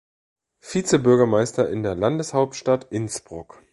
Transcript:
Vizebürgermeister in der Landeshauptstadt Innsbruck.